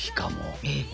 えっ？